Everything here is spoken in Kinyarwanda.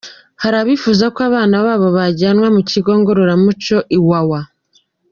Hari abifuza ko abana babo bajyanwa mu kigo ngororamuco Iwawa